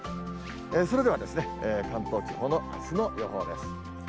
それでは関東地方のあすの予報です。